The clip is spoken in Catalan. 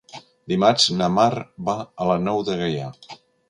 Dimarts na Mar va a la Nou de Gaià.